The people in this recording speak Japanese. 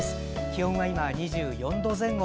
気温は今２４度前後。